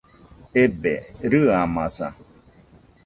Ebe, rɨamaza